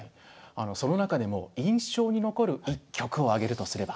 その中でも印象に残る一局を挙げるとすれば。